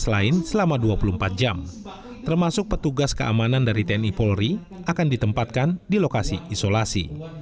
selain selama dua puluh empat jam termasuk petugas keamanan dari tni polri akan ditempatkan di lokasi isolasi